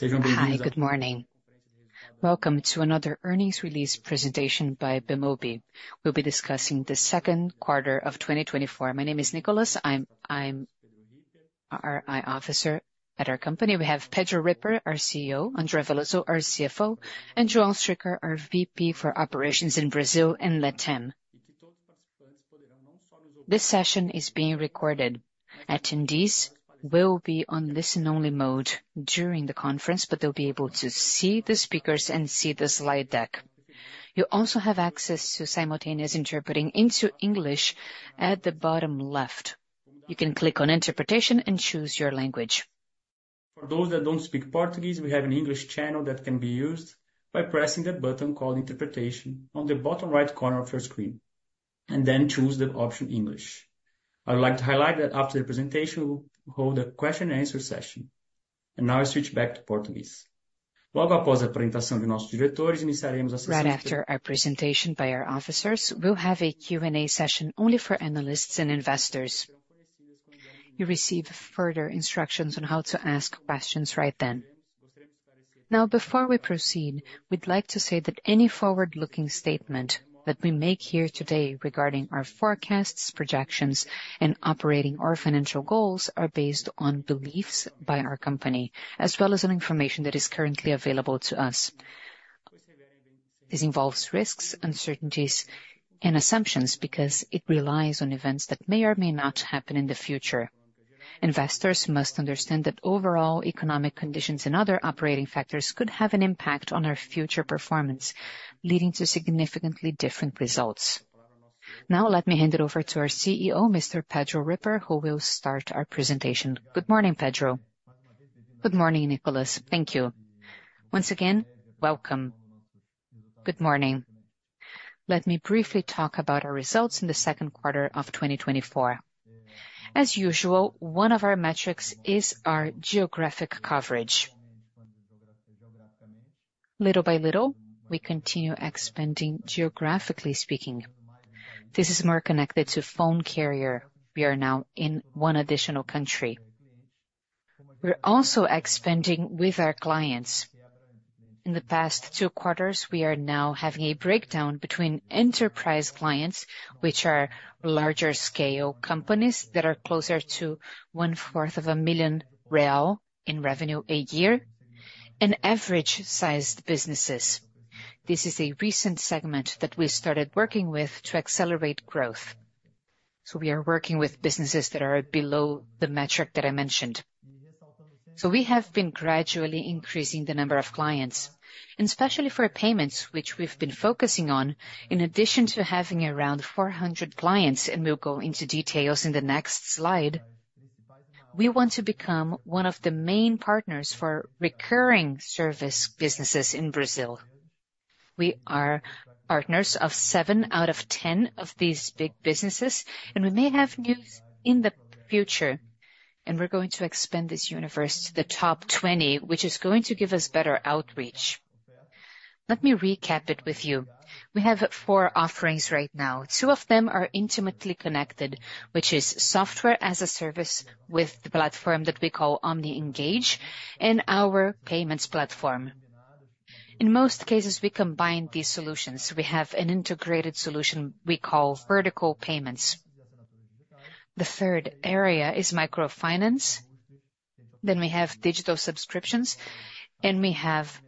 Hi, good morning. Welcome to another earnings release presentation by Bemobi. We'll be discussing the second quarter of 2024. My name is Nicholas. I'm our IR officer at our company. We have Pedro Ripper, our CEO, André Veloso, our CFO, and João Stricker, our VP for Operations in Brazil and Latam. This session is being recorded. Attendees will be on listen-only mode during the conference, but they'll be able to see the speakers and see the slide deck. You also have access to simultaneous interpreting into English at the bottom left. You can click on Interpretation and choose your language. For those that don't speak Portuguese, we have an English channel that can be used by pressing the button called Interpretation on the bottom right corner of your screen, and then choose the option English. I would like to highlight that after the presentation, we will hold a question-and-answer session. And now I switch back to Portuguese. Logo após a apresentação de nossos diretores, iniciaremos a sessão. Right after our presentation by our officers, we'll have a Q&A session only for analysts and investors. You receive further instructions on how to ask questions right then. Now, before we proceed, we'd like to say that any forward-looking statement that we make here today regarding our forecasts, projections, and operating or financial goals are based on beliefs by our company, as well as on information that is currently available to us. This involves risks, uncertainties, and assumptions because it relies on events that may or may not happen in the future. Investors must understand that overall economic conditions and other operating factors could have an impact on our future performance, leading to significantly different results. Now, let me hand it over to our CEO, Mr. Pedro Ripper, who will start our presentation. Good Good morning, Nicholas. Thank you. Once again, welcome. Good morning. Let me briefly talk about our results in the second quarter of 2024. As usual, one of our metrics is our geographic coverage. Little by little, we continue expanding geographically speaking. This is more connected to phone carrier. We are now in one additional country. We're also expanding with our clients. In the past two quarters, we are now having a breakdown between enterprise clients, which are larger scale companies that are closer to 250,000 real in revenue a year, and average-sized businesses. This is a recent segment that we started working with to accelerate growth. So we are working with businesses that are below the metric that I mentioned. So we have been gradually increasing the number of clients, and especially for payments, which we've been focusing on, in addition to having around 400 clients, and we'll go into details in the next slide. We want to become one of the main partners for recurring service businesses in Brazil. We are partners of seven out of 10 of these big businesses, and we may have news in the future, and we're going to expand this universe to the top 20, which is going to give us better outreach. Let me recap it with you. We have four offerings right now. Two of them are intimately connected, which is software as a service with the platform that we call Omni Engage and our payments platform. In most cases, we combine these solutions. We have an integrated solution we call vertical payments. The third area is microfinance. Then we have digital subscriptions, and we have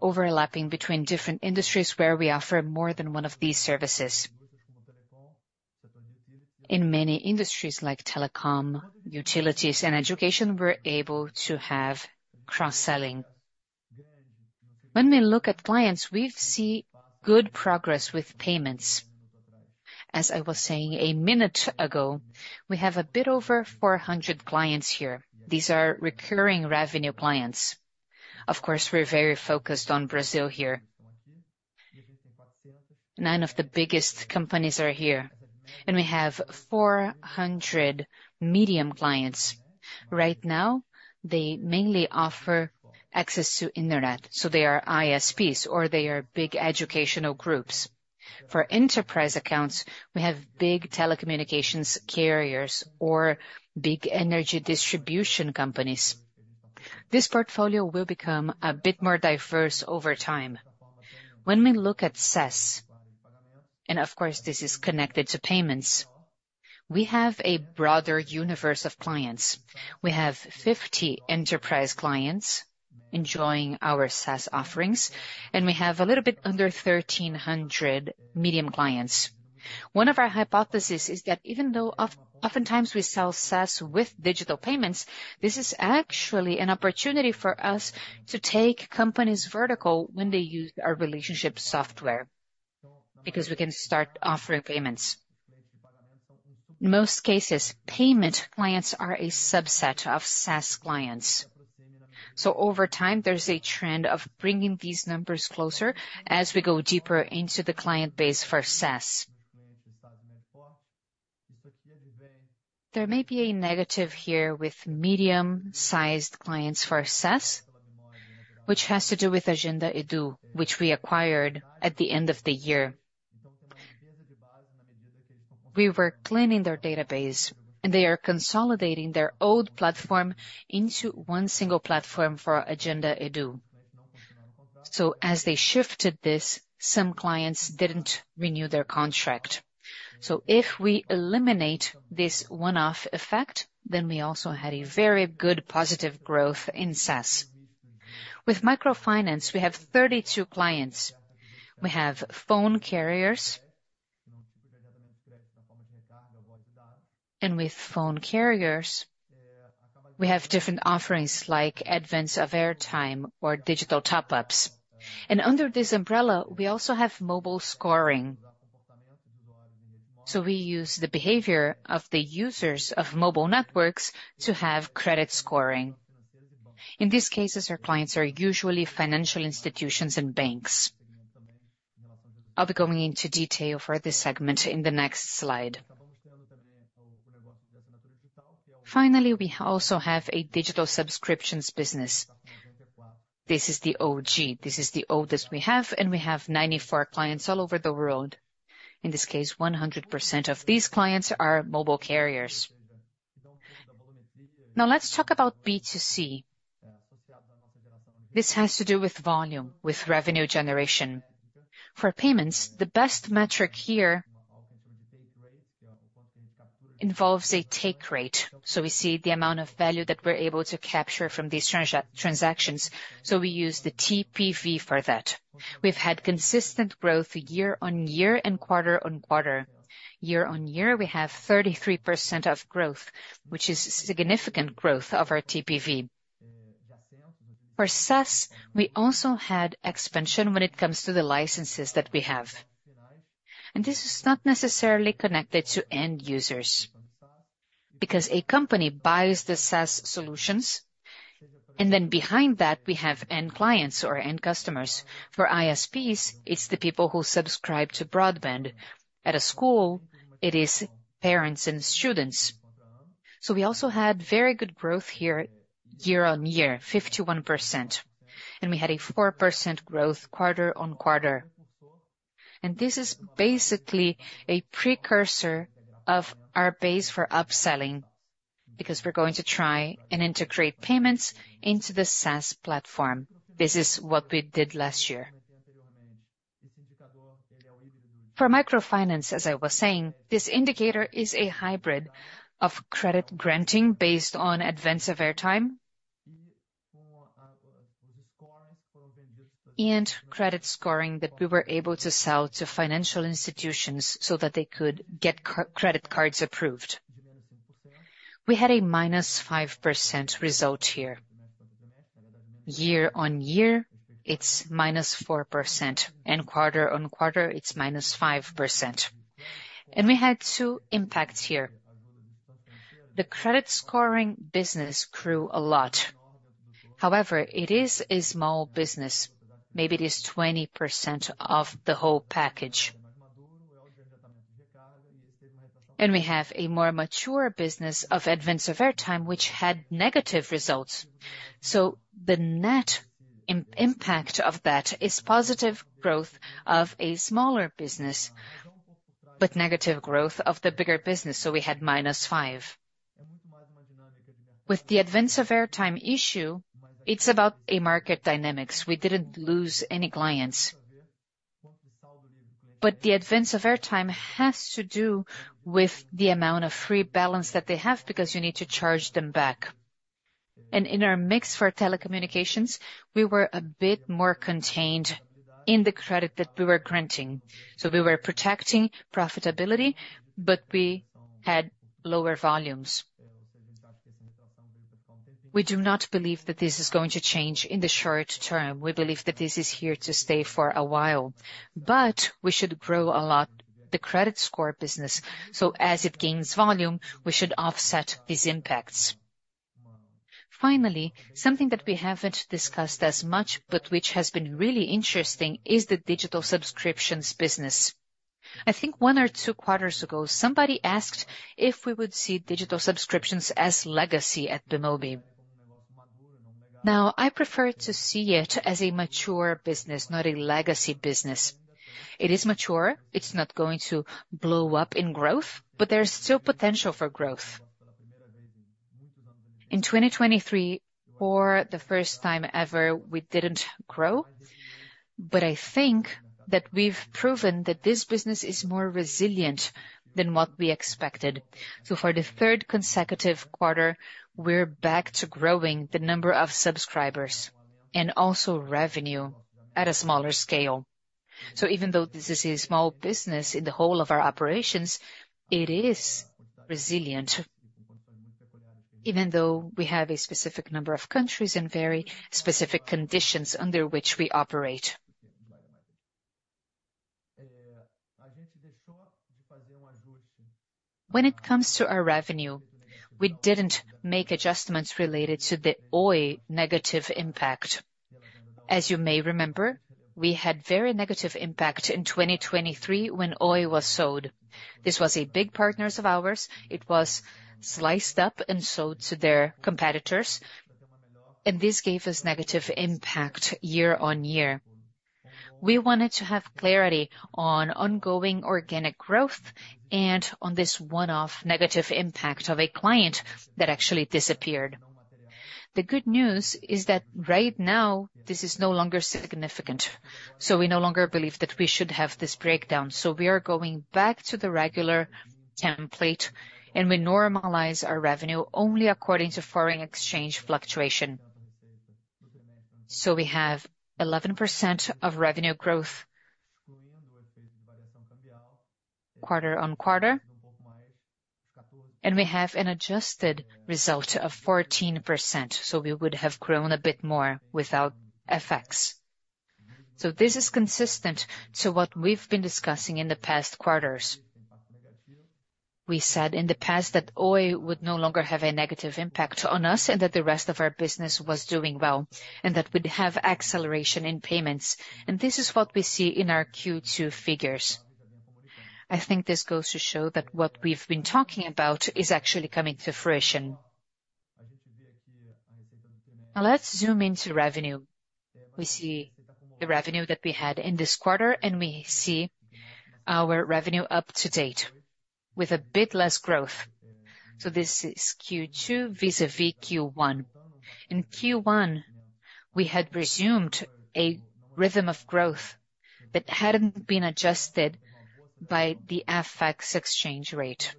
overlapping between different industries where we offer more than one of these services. In many industries like telecom, utilities, and education, we're able to have cross-selling. When we look at clients, we see good progress with payments. As I was saying a minute ago, we have a bit over 400 clients here. These are recurring revenue clients. Of course, we're very focused on Brazil here. Nine of the biggest companies are here, and we have 400 medium clients. Right now, they mainly offer access to internet, so they are ISPs or they are big educational groups. For enterprise accounts, we have big telecommunications carriers or big energy distribution companies. This portfolio will become a bit more diverse over time. When we look at SaaS, and of course, this is connected to payments, we have a broader universe of clients. We have 50 enterprise clients enjoying our SaaS offerings, and we have a little bit under 1,300 medium clients. One of our hypotheses is that even though oftentimes we sell SaaS with digital payments, this is actually an opportunity for us to take companies vertical when they use our relationship software because we can start offering payments. In most cases, payment clients are a subset of SaaS clients. So over time, there's a trend of bringing these numbers closer as we go deeper into the client base for SaaS. There may be a negative here with medium-sized clients for SaaS, which has to do with Agenda Edu, which we acquired at the end of the year. We were cleaning their database, and they are consolidating their old platform into one single platform for Agenda Edu. So as they shifted this, some clients didn't renew their contract. So if we eliminate this one-off effect, then we also had a very good positive growth in SaaS. With microfinance, we have 32 clients. We have phone carriers, and with phone carriers, we have different offerings like advance of airtime or digital top-ups and under this umbrella, we also have mobile scoring so we use the behavior of the users of mobile networks to have credit scoring. In these cases, our clients are usually financial institutions and banks. I'll be going into detail for this segment in the next slide. Finally, we also have a digital subscriptions business. This is the OG. This is the oldest we have, and we have 94 clients all over the world. In this case, 100% of these clients are mobile carriers. Now, let's talk about B2C. This has to do with volume, with revenue generation. For payments, the best metric here involves a take rate so we see the amount of value that we're able to capture from these transactions. So we use the TPV for that. We've had consistent growth year-on-year and quarter-on-quarter. Year-on-year, we have 33% of growth, which is significant growth of our TPV. For SaaS, we also had expansion when it comes to the licenses that we have. And this is not necessarily connected to end users because a company buys the SaaS solutions, and then behind that, we have end clients or end customers. For ISPs, it is the people who subscribe to broadband. At a school, it is parents and students. So we also had very good growth here year-on-year, 51%. And we had a 4% growth quarter-on-quarter. And this is basically a precursor of our base for upselling because we're going to try and integrate payments into the SaaS platform. This is what we did last year. For microfinance, as I was saying, this indicator is a hybrid of credit granting based on advance of airtime and credit scoring that we were able to sell to financial institutions so that they could get credit cards approved. We had a minus 5% result here: year-on-year, it's -4%, and quarter-on-quarter, it's -5%, and we had two impacts here. The credit scoring business grew a lot. However, it is a small business. Maybe it is 20% of the whole package, and we have a more mature business of advance of airtime, which had negative results, so the net impact of that is positive growth of a smaller business, but negative growth of the bigger business, so we had minus 5. With the advance of airtime issue, it's about market dynamics. We didn't lose any clients. But the advance of airtime has to do with the amount of free balance that they have because you need to charge them back. And in our mix for telecommunications, we were a bit more contained in the credit that we were granting. So we were protecting profitability, but we had lower volumes. We do not believe that this is going to change in the short term. We believe that this is here to stay for a while, but we should grow a lot the credit scoring business. So as it gains volume, we should offset these impacts. Finally, something that we haven't discussed as much, but which has been really interesting, is the digital subscriptions business. I think one or two quarters ago, somebody asked if we would see digital subscriptions as legacy at Bemobi. Now, I prefer to see it as a mature business, not a legacy business. It is mature. It's not going to blow up in growth, but there's still potential for growth. In 2023, for the first time ever, we didn't grow, but I think that we've proven that this business is more resilient than what we expected. So for the third consecutive quarter, we're back to growing the number of subscribers and also revenue at a smaller scale. So even though this is a small business in the whole of our operations, it is resilient, even though we have a specific number of countries and very specific conditions under which we operate. When it comes to our revenue, we didn't make adjustments related to the Oi negative impact. As you may remember, we had very negative impact in 2023 when Oi was sold. This was a big partners of ours. It was sliced up and sold to their competitors, and this gave us negative impact year-on-year. We wanted to have clarity on ongoing organic growth and on this one-off negative impact of a client that actually disappeared. The good news is that right now, this is no longer significant. So we no longer believe that we should have this breakdown. So we are going back to the regular template, and we normalize our revenue only according to foreign exchange fluctuation. So we have 11% of revenue growth quarter-on-quarter, and we have an adjusted result of 14%. So we would have grown a bit more without effects. So this is consistent to what we've been discussing in the past quarters. We said in the past that Oi would no longer have a negative impact on us and that the rest of our business was doing well and that we'd have acceleration in payments. And this is what we see in our Q2 figures. I think this goes to show that what we've been talking about is actually coming to fruition. Now, let's zoom into revenue. We see the revenue that we had in this quarter, and we see our revenue up to date with a bit less growth. So this is Q2 vis-à-vis Q1. In Q1, we had resumed a rhythm of growth that hadn't been adjusted by the FX exchange rate.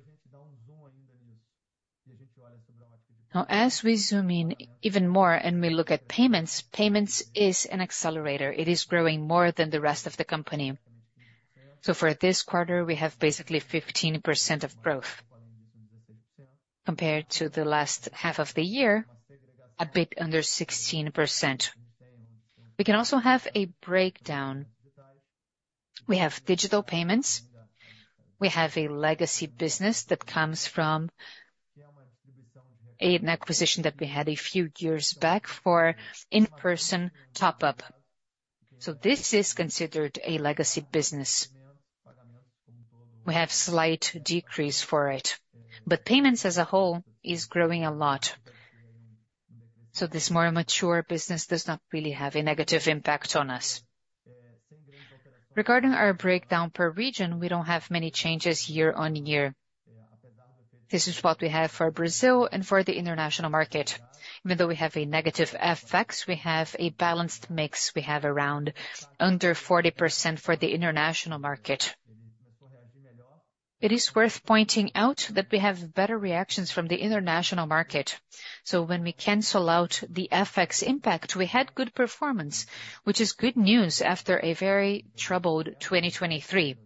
Now, as we zoom in even more and we look at payments, payments is an accelerator. It is growing more than the rest of the company. So for this quarter, we have basically 15% of growth compared to the last half of the year, a bit under 16%. We can also have a breakdown. We have digital payments. We have a legacy business that comes from an acquisition that we had a few years back for in-person top-up. So this is considered a legacy business. We have a slight decrease for it, but payments as a whole is growing a lot. So this more mature business does not really have a negative impact on us. Regarding our breakdown per region, we don't have many changes year-on-year. This is what we have for Brazil and for the international market. Even though we have a negative FX, we have a balanced mix. We have around under 40% for the international market. It is worth pointing out that we have better traction from the international market. So when we cancel out the FX impact, we had good performance, which is good news after a very troubled 2023.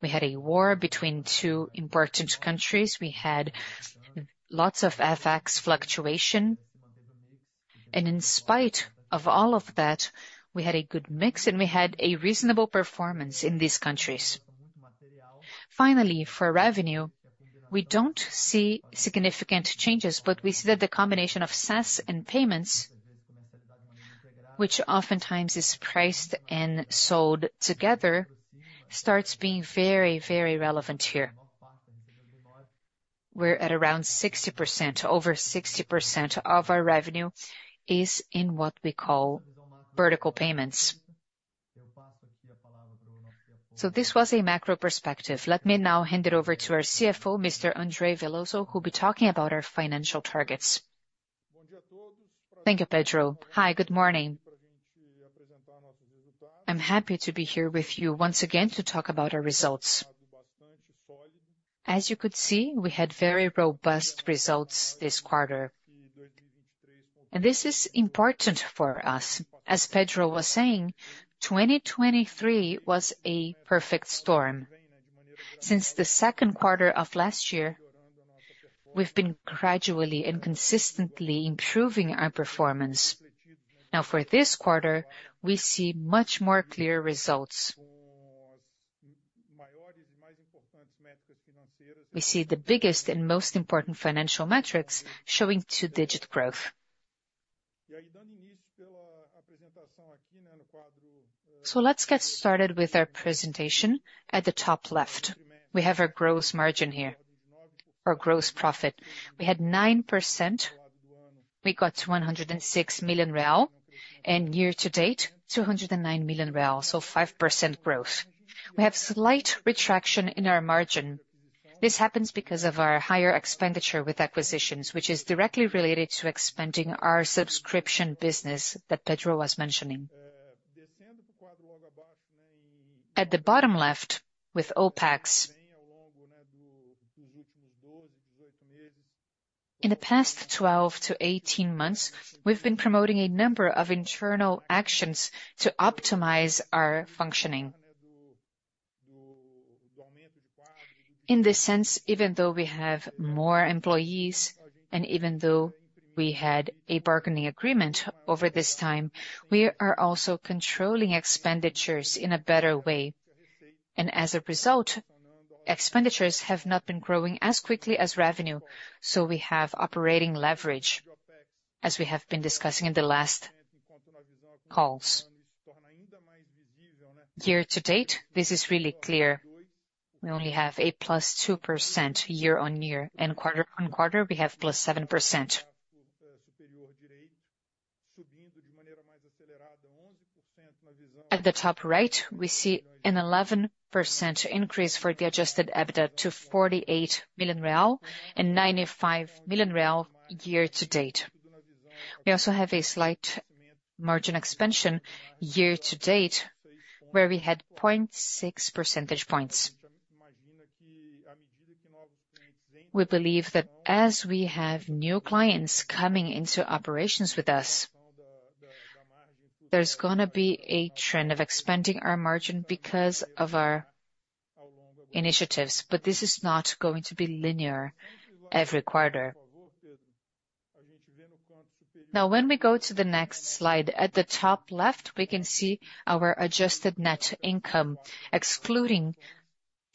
We had a war between two important countries. We had lots of FX fluctuation. And in spite of all of that, we had a good mix, and we had a reasonable performance in these countries. Finally, for revenue, we don't see significant changes, but we see that the combination of SaaS and payments, which oftentimes is priced and sold together, starts being very, very relevant here. We're at around 60%, over 60% of our revenue is in what we call vertical payments. So this was a macro perspective. Let me now hand it over to our CFO, Mr. André Veloso, who will be talking about our financial targets. Thank you, Pedro. Hi, good morning. I'm happy to be here with you once again to talk about our results. As you could see, we had very robust results this quarter, and this is important for us. As Pedro was saying, 2023 was a perfect storm. Since the second quarter of last year, we've been gradually and consistently improving our performance. Now, for this quarter, we see much more clear results. We see the biggest and most important financial metrics showing two-digit growth, so let's get started with our presentation at the top left. We have our gross margin here, our gross profit. We had 9%. We got 106 million real and year-to-date, 209 million real, so 5% growth. We have slight retraction in our margin. This happens because of our higher expenditure with acquisitions, which is directly related to expanding our subscription business that Pedro was mentioning. At the bottom left, with OPEX, in the past 12 to 18 months, we've been promoting a number of internal actions to optimize our functioning. In this sense, even though we have more employees and even though we had a bargaining agreement over this time, we are also controlling expenditures in a better way, and as a result, expenditures have not been growing as quickly as revenue, so we have operating leverage, as we have been discussing in the last calls. Year-to-date, this is really clear. We only have a +2% year-on-year, and quarter on quarter, we have +7%. At the top right, we see an 11% increase for the adjusted EBITDA to 48 million real and 95 million real year-to-date. We also have a slight margin expansion year-to-date where we had 0.6 percentage points. We believe that as we have new clients coming into operations with us, there's going to be a trend of expanding our margin because of our initiatives, but this is not going to be linear every quarter. Now, when we go to the next slide, at the top left, we can see our adjusted net income, excluding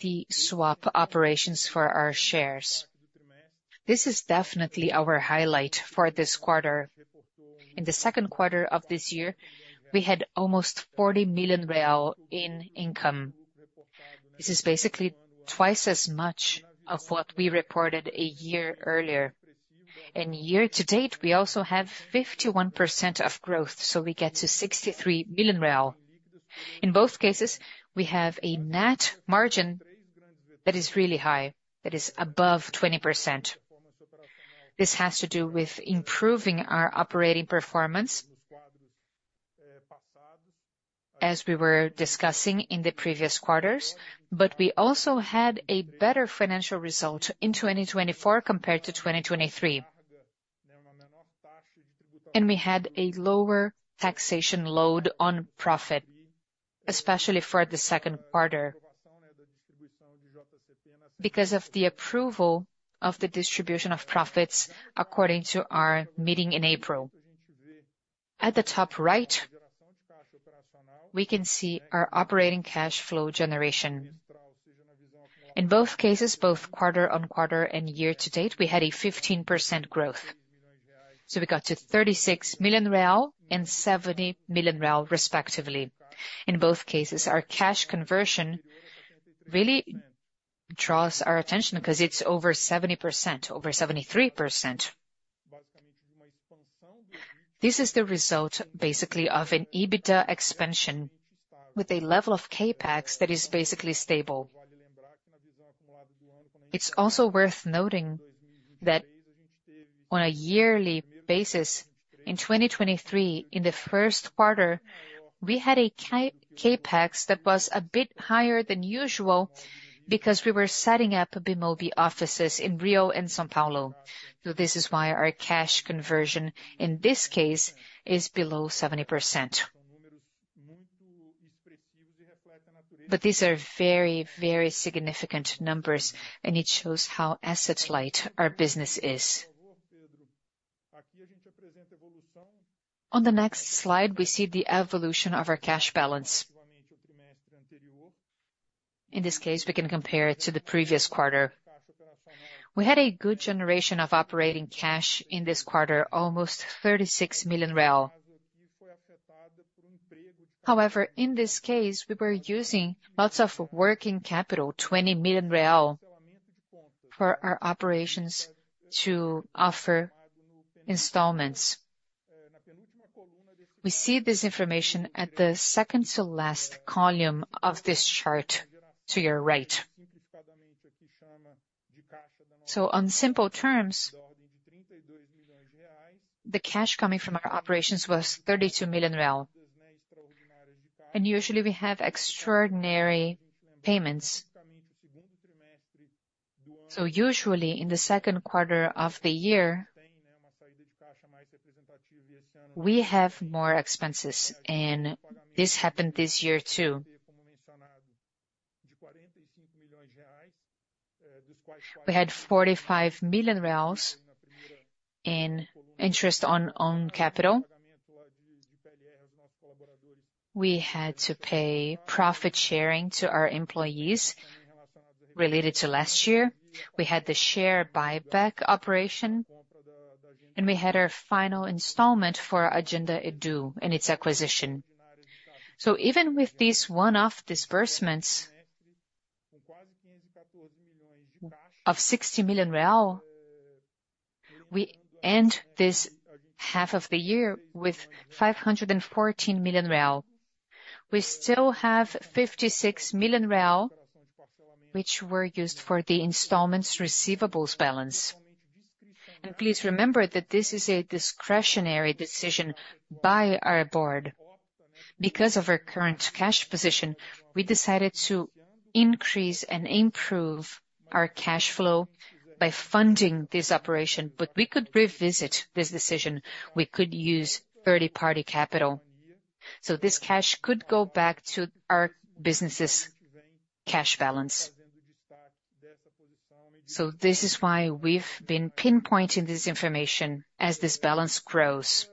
the swap operations for our shares. This is definitely our highlight for this quarter. In the second quarter of this year, we had almost 40 million real in income. This is basically twice as much of what we reported a year earlier, and year-to-date, we also have 51% of growth, so we get to 63 million real. In both cases, we have a net margin that is really high, that is above 20%. This has to do with improving our operating performance, as we were discussing in the previous quarters, but we also had a better financial result in 2024 compared to 2023, and we had a lower taxation load on profit, especially for the second quarter, because of the approval of the distribution of profits according to our meeting in April. At the top right, we can see our operating cash flow generation. In both cases, both quarter on quarter and year-to-date, we had a 15% growth, so we got to 36 million real and 70 million real, respectively. In both cases, our cash conversion really draws our attention because it's over 70%, over 73%. This is the result, basically, of an EBITDA expansion with a level of CAPEX that is basically stable. It's also worth noting that on a yearly basis, in 2023, in the first quarter, we had a CAPEX that was a bit higher than usual because we were setting up Bemobi offices in Rio and São Paulo. So this is why our cash conversion, in this case, is below 70%. But these are very, very significant numbers, and it shows how asset-light our business is. On the next slide, we see the evolution of our cash balance. In this case, we can compare it to the previous quarter. We had a good generation of operating cash in this quarter, almost 36 million. However, in this case, we were using lots of working capital, 20 million real, for our operations to offer installments. We see this information at the second-to-last column of this chart to your right. So on simple terms, the cash coming from our operations was 32 million. And usually, we have extraordinary payments. So usually, in the second quarter of the year, we have more expenses, and this happened this year too. We had 45 million reals in interest on capital. We had to pay profit sharing to our employees related to last year. We had the share buyback operation, and we had our final installment for Agenda Edu and its acquisition. So even with these one-off disbursements of 60 million real, we end this half of the year with 514 million real. We still have 56 million real, which were used for the installments receivables balance. And please remember that this is a discretionary decision by our board. Because of our current cash position, we decided to increase and improve our cash flow by funding this operation, but we could revisit this decision. We could use third-party capital. So this cash could go back to our business's cash balance. So this is why we've been pinpointing this information as this balance grows.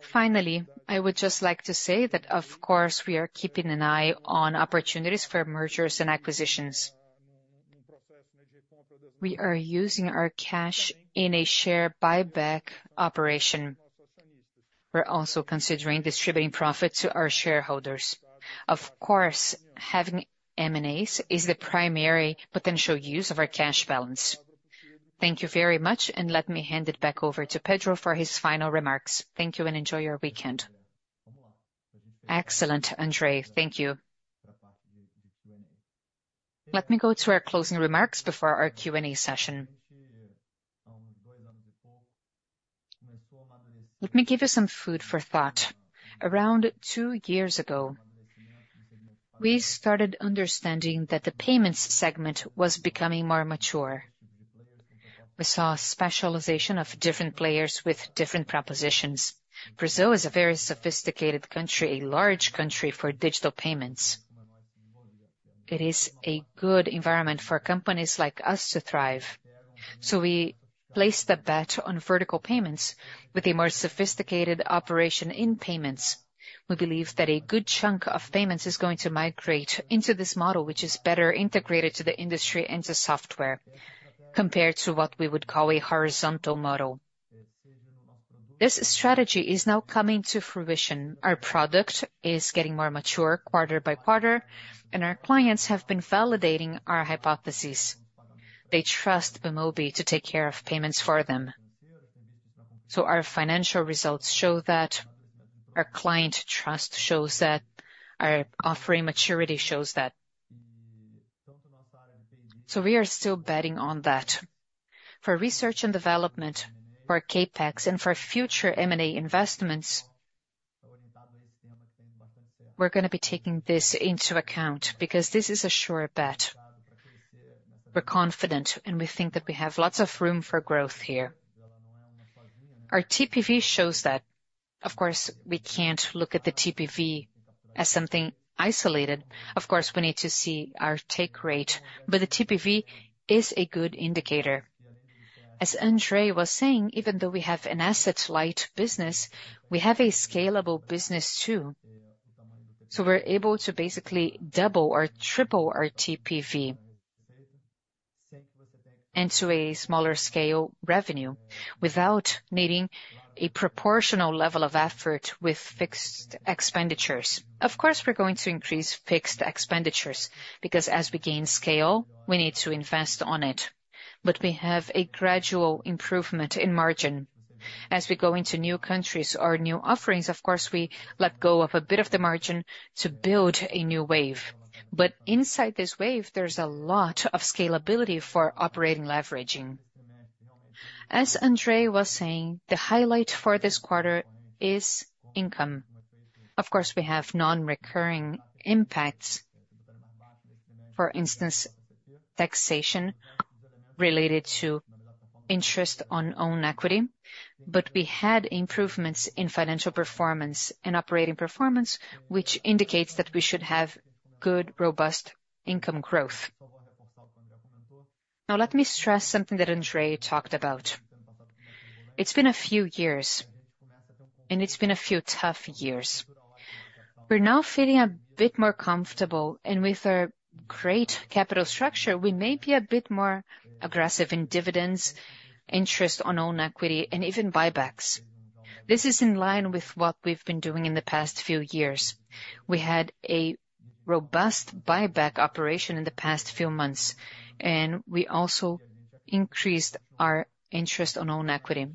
Finally, I would just like to say that, of course, we are keeping an eye on opportunities for mergers and acquisitions. We are using our cash in a share buyback operation. We're also considering distributing profits to our shareholders. Of course, having M&As is the primary potential use of our cash balance. Thank you very much, and let me hand it back over to Pedro for his final remarks. Thank you and enjoy your weekend. Excellent, André. Thank you. Let me go to our closing remarks before our Q&A session. Let me give you some food for thought. Around two years ago, we started understanding that the payments segment was becoming more mature. We saw specialization of different players with different propositions. Brazil is a very sophisticated country, a large country for digital payments. It is a good environment for companies like us to thrive. So we placed the bet on vertical payments with a more sophisticated operation in payments. We believe that a good chunk of payments is going to migrate into this model, which is better integrated to the industry and to software compared to what we would call a horizontal model. This strategy is now coming to fruition. Our product is getting more mature quarter by quarter, and our clients have been validating our hypotheses. They trust Bemobi to take care of payments for them. So our financial results show that our client trust shows that our offering maturity shows that. So we are still betting on that. For research and development, for CAPEX, and for future M&A investments, we're going to be taking this into account because this is a sure bet. We're confident, and we think that we have lots of room for growth here. Our TPV shows that. Of course, we can't look at the TPV as something isolated. Of course, we need to see our take rate, but the TPV is a good indicator. As André was saying, even though we have an asset-light business, we have a scalable business too. So we're able to basically double or triple our TPV and to a smaller scale revenue without needing a proportional level of effort with fixed expenditures. Of course, we're going to increase fixed expenditures because as we gain scale, we need to invest on it, but we have a gradual improvement in margin. As we go into new countries or new offerings, of course, we let go of a bit of the margin to build a new wave, but inside this wave, there's a lot of scalability for operating leveraging. As André was saying, the highlight for this quarter is income. Of course, we have non-recurring impacts, for instance, taxation related to interest on own equity, but we had improvements in financial performance and operating performance, which indicates that we should have good, robust income growth. Now, let me stress something that André talked about. It's been a few years, and it's been a few tough years. We're now feeling a bit more comfortable, and with our great capital structure, we may be a bit more aggressive in dividends, interest on own equity, and even buybacks. This is in line with what we've been doing in the past few years. We had a robust buyback operation in the past few months, and we also increased our interest on own equity.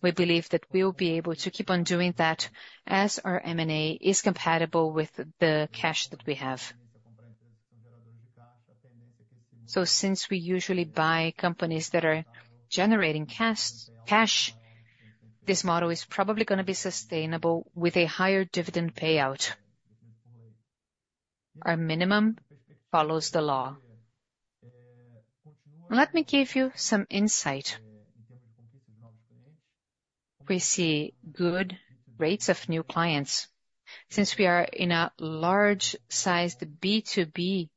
We believe that we will be able to keep on doing that as our M&A is compatible with the cash that we have. So since we usually buy companies that are generating cash, this model is probably going to be sustainable with a higher dividend payout. Our minimum follows the law. Let me give you some insight. We see good rates of new clients. Since we are in a large-sized B2B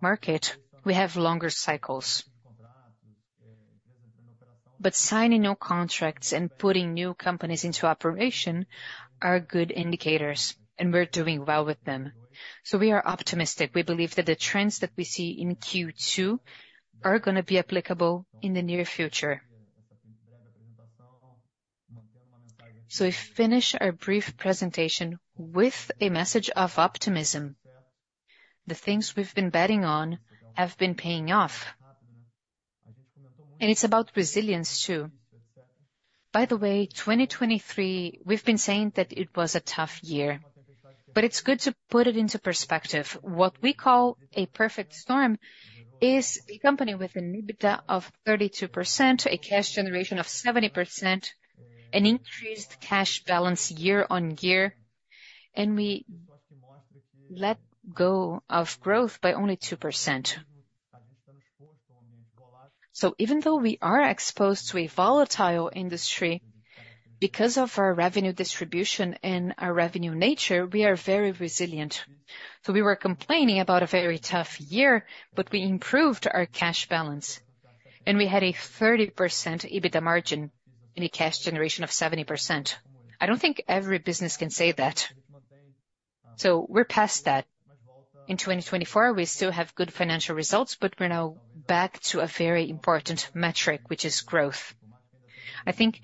market, we have longer cycles. But signing new contracts and putting new companies into operation are good indicators, and we're doing well with them, so we are optimistic. We believe that the trends that we see in Q2 are going to be applicable in the near future, so we finish our brief presentation with a message of optimism. The things we've been betting on have been paying off, and it's about resilience too. By the way, 2023, we've been saying that it was a tough year, but it's good to put it into perspective. What we call a perfect storm is a company with an EBITDA of 32%, a cash generation of 70%, an increased cash balance year on year, and we let go of growth by only 2%, so even though we are exposed to a volatile industry, because of our revenue distribution and our revenue nature, we are very resilient. So we were complaining about a very tough year, but we improved our cash balance. And we had a 30% EBITDA margin and a cash generation of 70%. I don't think every business can say that. So we're past that. In 2024, we still have good financial results, but we're now back to a very important metric, which is growth. I think,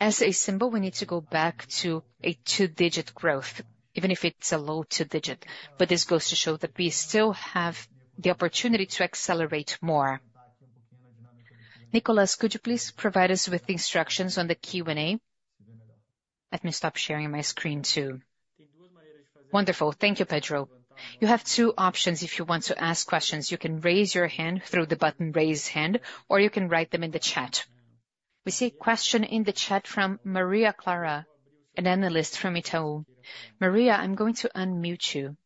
as a symbol, we need to go back to a two-digit growth, even if it's a low two-digit. But this goes to show that we still have the opportunity to accelerate more. Nicholas, could you please provide us with the instructions on the Q&A? Let me stop sharing my screen too. Wonderful. Thank you, Pedro. You have two options if you want to ask questions. You can raise your hand through the button "Raise Hand," or you can write them in the chat. We see a question in the chat from Maria Clara, an analyst from Itaú. Maria, I'm going to unmute you.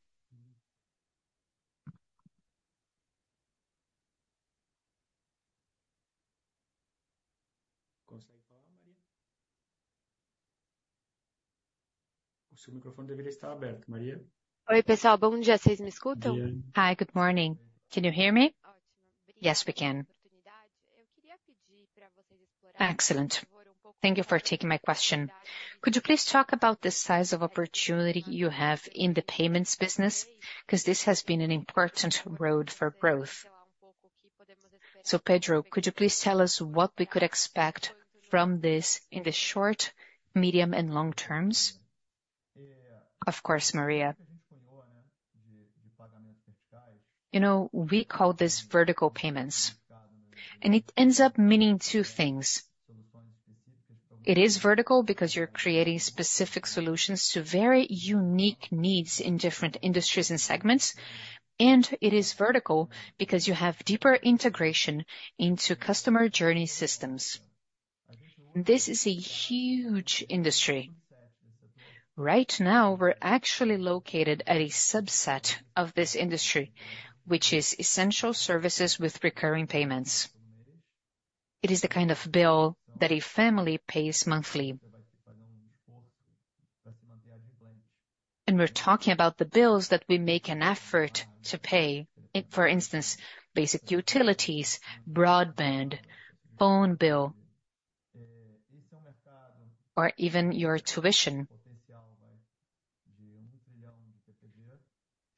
Oi, pessoal, bom dia. Vocês me escutam? Hi, good morning. Can you hear me? Yes, we can. Excellent. Thank you for taking my question. Could you please talk about the size of opportunity you have in the payments business? Because this has been an important road for growth. So, Pedro, could you please tell us what we could expect from this in the short, medium, and long terms? Of course, Maria. You know, we call this vertical payments. And it ends up meaning two things. It is vertical because you're creating specific solutions to very unique needs in different industries and segments. And it is vertical because you have deeper integration into customer journey systems. This is a huge industry. Right now, we're actually located at a subset of this industry, which is essential services with recurring payments. It is the kind of bill that a family pays monthly, and we're talking about the bills that we make an effort to pay, for instance, basic utilities, broadband, phone bill, or even your tuition,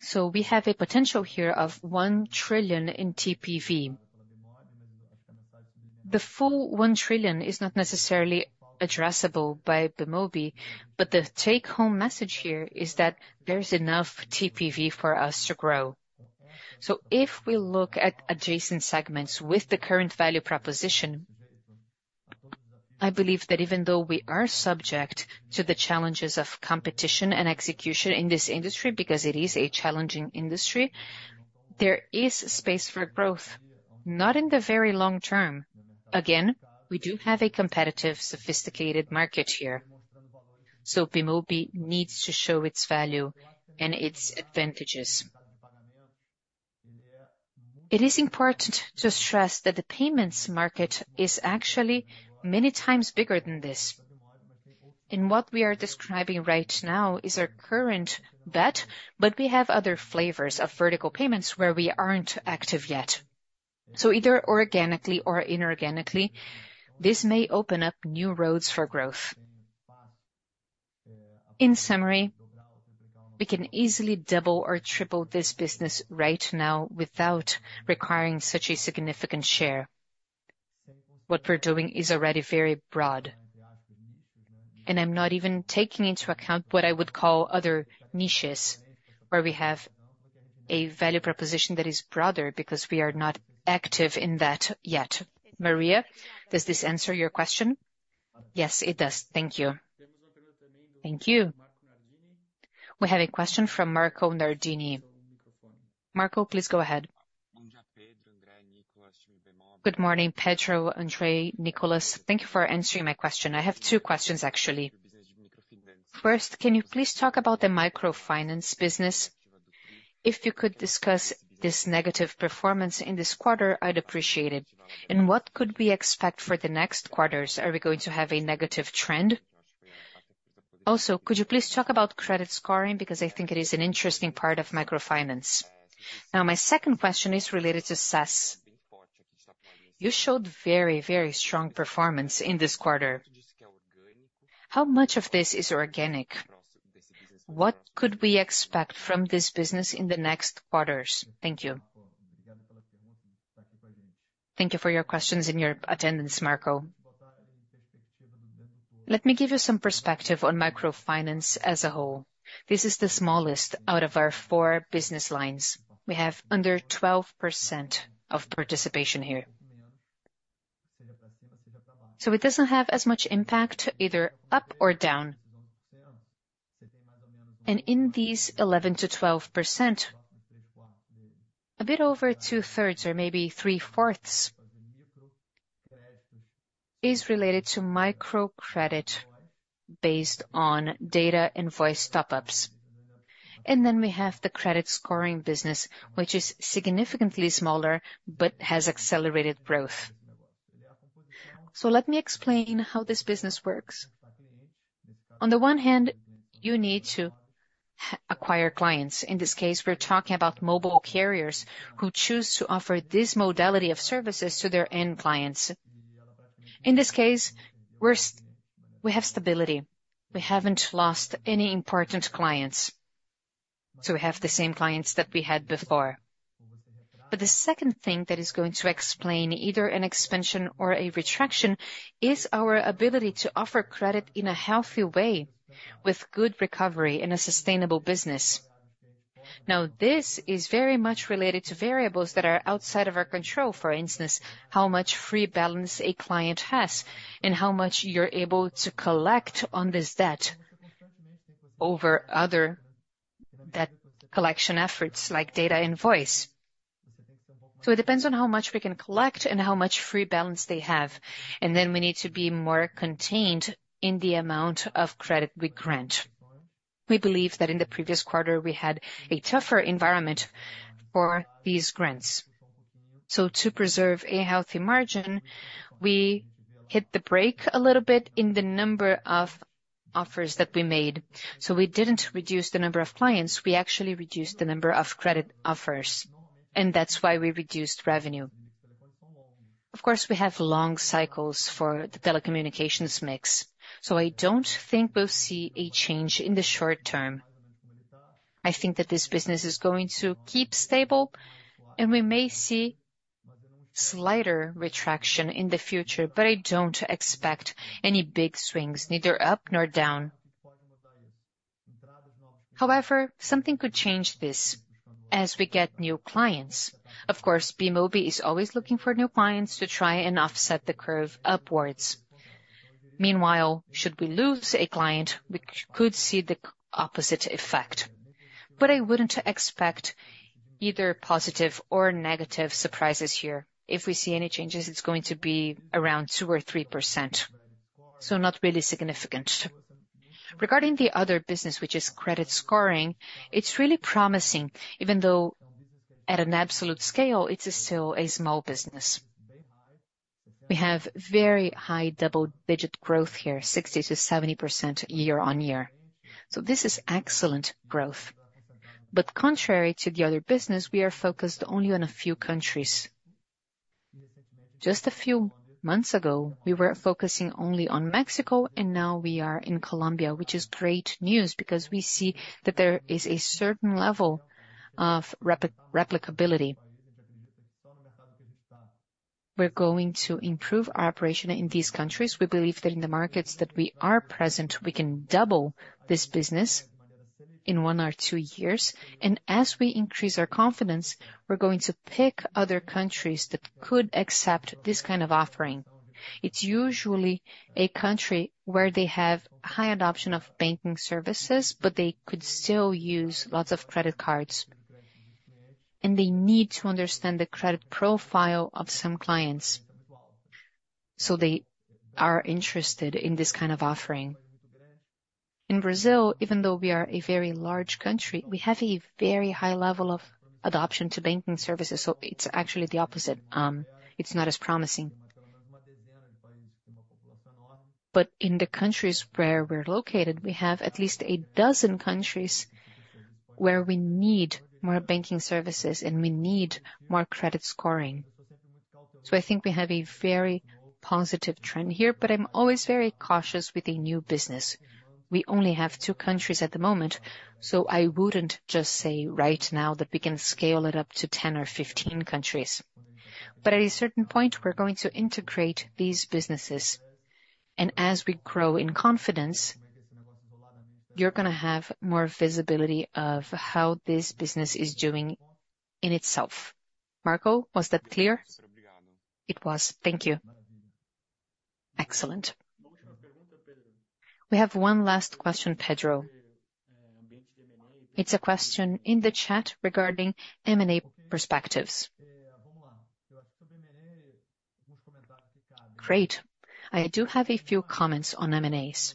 so we have a potential here of 1 trillion in TPV. The full 1 trillion is not necessarily addressable by Bemobi, but the take-home message here is that there's enough TPV for us to grow, so if we look at adjacent segments with the current value proposition, I believe that even though we are subject to the challenges of competition and execution in this industry, because it is a challenging industry, there is space for growth, not in the very long term. Again, we do have a competitive, sophisticated market here. So Bemobi needs to show its value and its advantages. It is important to stress that the payments market is actually many times bigger than this. And what we are describing right now is our current bet, but we have other flavors of vertical payments where we aren't active yet. So either organically or inorganically, this may open up new roads for growth. In summary, we can easily double or triple this business right now without requiring such a significant share. What we're doing is already very broad. And I'm not even taking into account what I would call other niches, where we have a value proposition that is broader because we are not active in that yet. Maria, does this answer your question? Yes, it does. Thank you. Thank you. We have a question from Marco Nardini. Marco, please go ahead. Good morning, Pedro, André, Nicholas. Thank you for answering my question. I have two questions, actually. First, can you please talk about the microfinance business? If you could discuss this negative performance in this quarter, I'd appreciate it. And what could we expect for the next quarters? Are we going to have a negative trend? Also, could you please talk about credit scoring? Because I think it is an interesting part of microfinance. Now, my second question is related to SaaS. You showed very, very strong performance in this quarter. How much of this is organic? What could we expect from this business in the next quarters? Thank you. Thank you for your questions and your attendance, Marco. Let me give you some perspective on microfinance as a whole. This is the smallest out of our four business lines. We have under 12% of participation here. It doesn't have as much impact either up or down. In these 11%-12%, a bit over two-thirds or maybe three-fourths is related to microcredit based on data and voice top-ups. We have the credit scoring business, which is significantly smaller but has accelerated growth. Let me explain how this business works. On the one hand, you need to acquire clients. In this case, we're talking about mobile carriers who choose to offer this modality of services to their end clients. In this case, we have stability. We haven't lost any important clients. We have the same clients that we had before. The second thing that is going to explain either an expansion or a retraction is our ability to offer credit in a healthy way with good recovery in a sustainable business. Now, this is very much related to variables that are outside of our control, for instance, how much free balance a client has and how much you're able to collect on this debt over other debt collection efforts like data and voice. So it depends on how much we can collect and how much free balance they have. And then we need to be more contained in the amount of credit we grant. We believe that in the previous quarter, we had a tougher environment for these grants. So to preserve a healthy margin, we hit the brake a little bit in the number of offers that we made. So we didn't reduce the number of clients. We actually reduced the number of credit offers. And that's why we reduced revenue. Of course, we have long cycles for the telecommunications mix. I don't think we'll see a change in the short term. I think that this business is going to keep stable, and we may see slighter retraction in the future, but I don't expect any big swings, neither up nor down. However, something could change this as we get new clients. Of course, Bemobi is always looking for new clients to try and offset the curve upwards. Meanwhile, should we lose a client, we could see the opposite effect. But I wouldn't expect either positive or negative surprises here. If we see any changes, it's going to be around 2% or 3%. So not really significant. Regarding the other business, which is credit scoring, it's really promising, even though at an absolute scale, it's still a small business. We have very high double-digit growth here, 60%-70% year-on-year. So this is excellent growth. Contrary to the other business, we are focused only on a few countries. Just a few months ago, we were focusing only on Mexico, and now we are in Colombia, which is great news because we see that there is a certain level of replicability. We're going to improve our operation in these countries. We believe that in the markets that we are present, we can double this business in one or two years. As we increase our confidence, we're going to pick other countries that could accept this kind of offering. It's usually a country where they have high adoption of banking services, but they could still use lots of credit cards. They need to understand the credit profile of some clients. They are interested in this kind of offering. In Brazil, even though we are a very large country, we have a very high level of adoption to banking services. So it's actually the opposite. It's not as promising. But in the countries where we're located, we have at least a dozen countries where we need more banking services and we need more credit scoring. So I think we have a very positive trend here, but I'm always very cautious with a new business. We only have two countries at the moment, so I wouldn't just say right now that we can scale it up to 10 or 15 countries. But at a certain point, we're going to integrate these businesses. And as we grow in confidence, you're going to have more visibility of how this business is doing in itself. Marco, was that clear? It was. Thank you. Excellent. We have one last question, Pedro. It's a question in the chat regarding M&A perspectives. Great. I do have a few comments on M&As.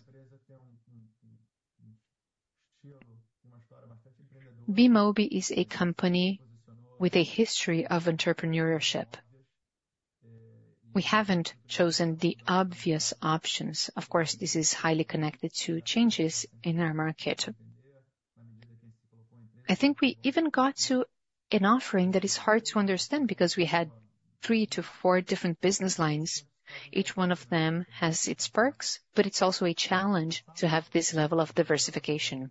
Bemobi is a company with a history of entrepreneurship. We haven't chosen the obvious options. Of course, this is highly connected to changes in our market. I think we even got to an offering that is hard to understand because we had three to four different business lines. Each one of them has its perks, but it's also a challenge to have this level of diversification.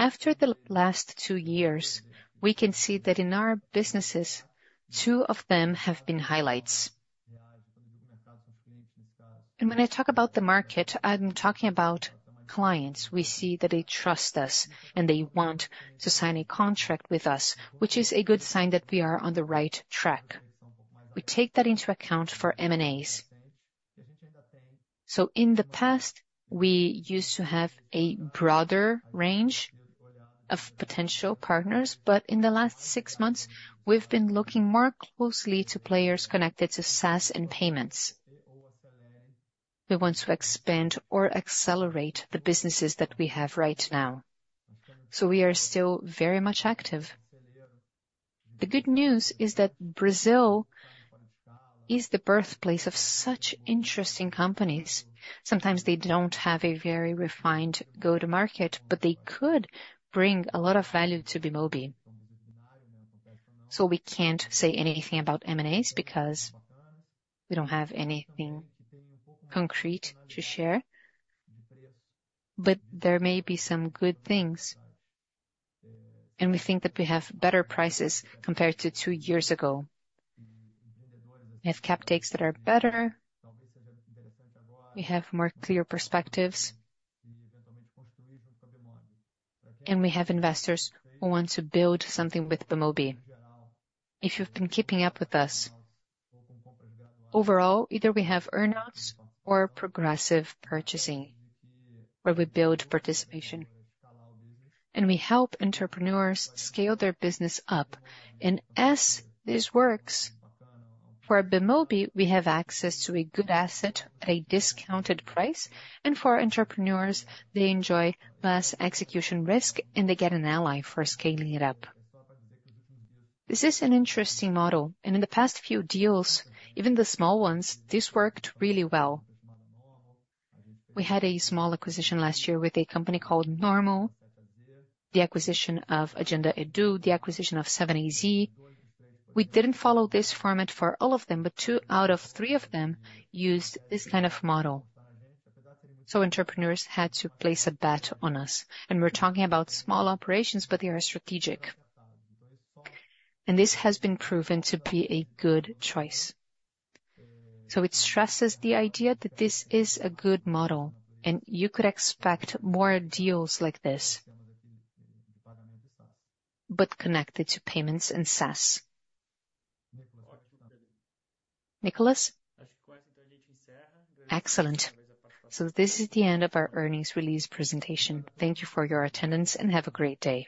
After the last two years, we can see that in our businesses, two of them have been highlights. And when I talk about the market, I'm talking about clients. We see that they trust us and they want to sign a contract with us, which is a good sign that we are on the right track. We take that into account for M&As. In the past, we used to have a broader range of potential partners, but in the last six months, we've been looking more closely to players connected to SaaS and payments. We want to expand or accelerate the businesses that we have right now. We are still very much active. The good news is that Brazil is the birthplace of such interesting companies. Sometimes they don't have a very refined go-to-market, but they could bring a lot of value to Bemobi. We can't say anything about M&As because we don't have anything concrete to share. There may be some good things. We think that we have better prices compared to two years ago. We have CAPEX that are better. We have more clear perspectives. We have investors who want to build something with Bemobi. If you've been keeping up with us, overall, either we have earnouts or progressive purchasing, where we build participation. And we help entrepreneurs scale their business up. And as this works, for Bemobi, we have access to a good asset at a discounted price. And for entrepreneurs, they enjoy less execution risk, and they get an ally for scaling it up. This is an interesting model. And in the past few deals, even the small ones, this worked really well. We had a small acquisition last year with a company called Nomo, the acquisition of Agenda Edu, the acquisition of Tiaxa. We didn't follow this format for all of them, but two out of three of them used this kind of model. So entrepreneurs had to place a bet on us. And we're talking about small operations, but they are strategic. This has been proven to be a good choice. It stresses the idea that this is a good model, and you could expect more deals like this, but connected to payments and SaaS. Nicholas? Excellent. This is the end of our earnings release presentation. Thank you for your attendance and have a great day.